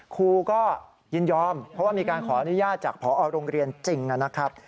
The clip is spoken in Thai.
ครูก็ยินยอมเพราะว่ามีการขออนุญาตจากพอโรงเรียนจริงนะครับ